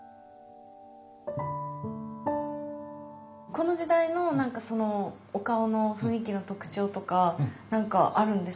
この時代のお顔の雰囲気の特徴とかなんかあるんですか？